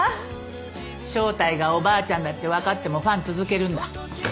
正体がおばあちゃんだってわかってもファン続けるんだ？